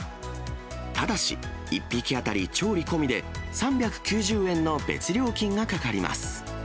ただし、１匹当たり調理込みで３９０円の別料金がかかります。